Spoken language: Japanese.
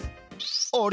あれ？